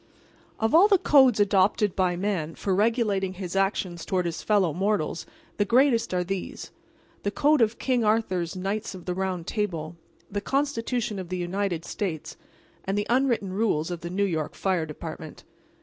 Of all the codes adopted by man for regulating his actions toward his fellow mortals, the greatest are these—the code of King Arthur's Knights of the Round Table, the Constitution of the United States and the unwritten rules of the New York Fire Department.